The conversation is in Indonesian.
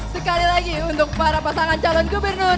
sekali lagi untuk para pasangan calon gubernur